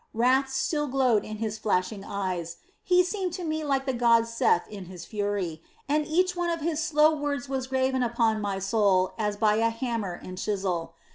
"Wrath still glowed in his flashing eyes. He seemed to me like the god Seth in his fury, and each one of his slow words was graven upon my soul as by a hammer and chisel.